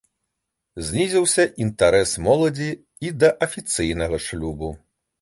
Знізіўся інтарэс моладзі і да афіцыйнага шлюбу.